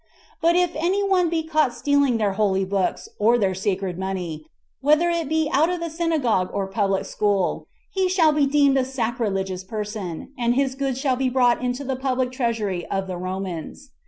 8 But if any one be caught stealing their holy books, or their sacred money, whether it be out of the synagogue or public school, he shall be deemed a sacrilegious person, and his goods shall be brought into the public treasury of the Romans.